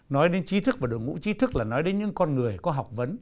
nói đến chí thức và đội ngũ chí thức là nói đến những con người có học vấn